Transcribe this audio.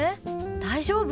大丈夫？